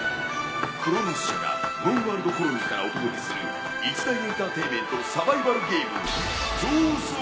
クロノス社がムーンワールドコロニーからお届けする一大エンターテインメントサバイバルゲーム逃走中！